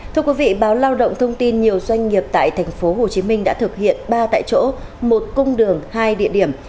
thưa quý vị báo lao động thông tin nhiều doanh nghiệp tại tp hcm đã thực hiện ba tại chỗ một cung đường hai địa điểm